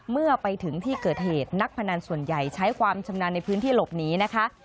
เมื่อไปถึงที่เกิดเหตุนักพนันส่วนใหญ่ใช้ความชำนาญในพื้นที่หลบหนีนะคะ